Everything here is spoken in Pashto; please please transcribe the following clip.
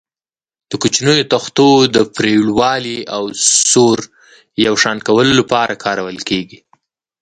د کوچنیو تختو د پرېړوالي او سور یو شان کولو لپاره کارول کېږي.